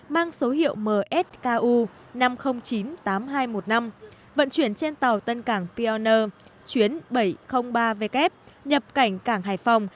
mang số hiệu msku năm triệu chín mươi tám nghìn hai trăm một mươi năm vận chuyển trên tàu tân cảng pioner chuyến bảy trăm linh ba w nhập cảnh cảng hải phòng